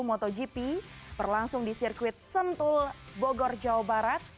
seribu enam ratus sembilan puluh tujuh motogp berlangsung di sirkuit sentul bogor jawa barat